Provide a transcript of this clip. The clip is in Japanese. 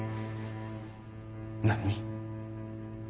何？